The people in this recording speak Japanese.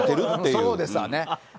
そうですわね。